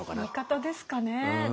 言い方ですかね。